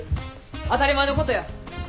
当たり前のことや。